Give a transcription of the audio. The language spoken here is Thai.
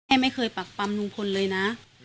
แม่ไม่เคยปรับปรร์มลงพลเลยนะ